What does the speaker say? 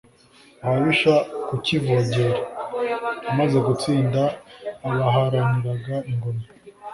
ababisha kukivogera. amaze gutsinda abaharaniraga ingoma,